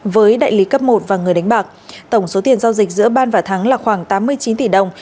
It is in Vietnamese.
với đại lý cấp một và người đánh bạc tổng số tiền giao dịch giữa ban và thắng là khoảng tám mươi chín tỷ đồng